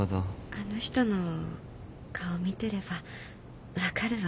あの人の顔見てれば分かるわ。